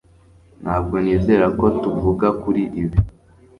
ntabwo nizera ko tuvuga kuri ibi